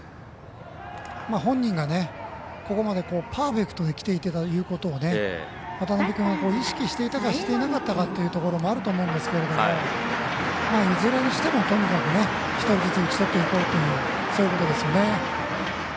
本人がここまでパーフェクトできていたということは渡邊君は意識していたかしていなかったかというところもあると思うんですけどいずれにしてもとにかく１人ずつ打ち取っていこうということです。